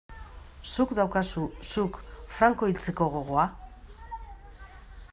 Zuk daukazu, zuk, Franco hiltzeko gogoa?